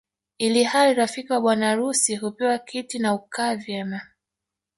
Ili hali rafiki wa bwana harusi hupewa kiti na hukaa vyema